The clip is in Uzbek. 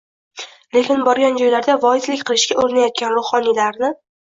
lekin borgan joylarida voizlik qilishga urinayotgan ruhoniylarni;